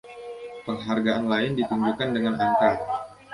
Penghargaan lain di tunjukkan dengan angka.